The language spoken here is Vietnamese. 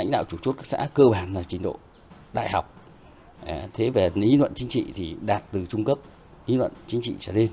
đào tạo bồi dưỡng đào tạo bồi dưỡng